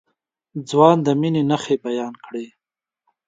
ځوان د مينې نښې بيان کړې.